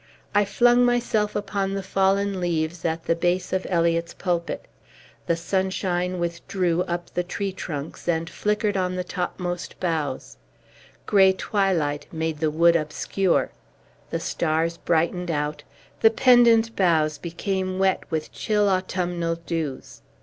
I flung myself upon the fallen leaves at the base of Eliot's pulpit. The sunshine withdrew up the tree trunks and flickered on the topmost boughs; gray twilight made the wood obscure; the stars brightened out; the pendent boughs became wet with chill autumnal dews.